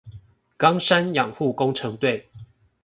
岡山養護工程隊